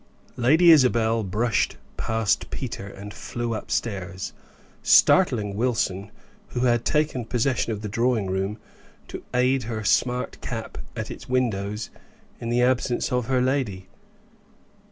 Lady Isabel brushed past Peter, and flew upstairs, startling Wilson, who had taken possession of the drawing room to air her smart cap at its windows in the absence of her lady.